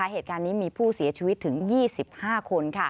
เหตุการณ์นี้มีผู้เสียชีวิตถึง๒๕คน